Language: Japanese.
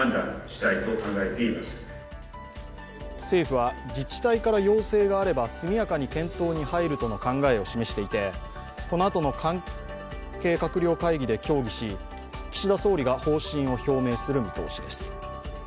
政府は自治体から要請があれば速やかに検討に入るとの考えを示していてこのあとの関係閣僚会議で協議し、岸田総理が方針を表明する見通しです。